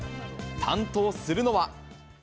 担当するのは。